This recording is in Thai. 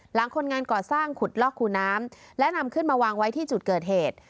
คนงานก่อสร้างขุดลอกคูน้ำและนำขึ้นมาวางไว้ที่จุดเกิดเหตุ